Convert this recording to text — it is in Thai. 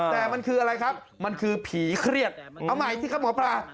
แต่มันคืออะไรครับมันคือผีเครียดเอาใหม่สิครับหมอปลา